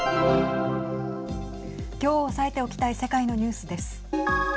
きょう押さえておきたい世界のニュースです。